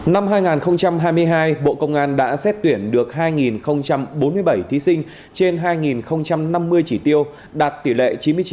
năm hai nghìn hai mươi hai bộ công an đã xét tuyển được hai bốn mươi bảy thí sinh trên hai năm mươi chỉ tiêu đạt tỷ lệ chín mươi chín